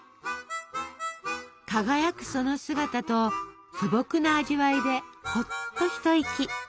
輝くその姿と素朴な味わいでホッと一息。